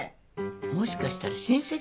もしかしたら親戚？